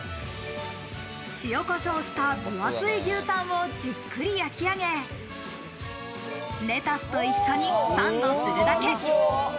塩コショウした分厚い牛タンをじっくり焼き上げ、レタスと一緒にサンドするだけ。